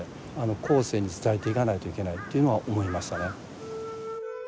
後世に伝えていかないといけないというのは思いましたね。